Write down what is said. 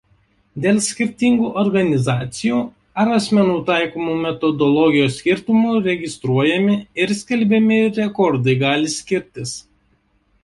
Dėl skirtingų organizacijų ar asmenų taikomų metodologijos skirtumų registruojami ir skelbiami rekordai gali skirtis.